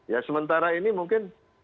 ya sementara ini mungkin